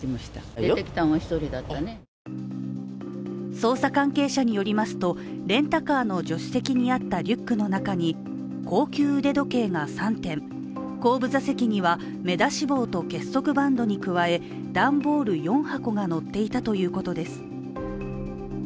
捜査関係者によりますと、レンタカーの助手席にあったリュックの中に高級腕時計が３点後部座席には目出し帽と結束バンドに加え、段ボール４箱が載っていたということです。